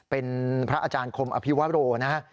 เป็นพระอาจารย์คมอภิวโรนะฮะ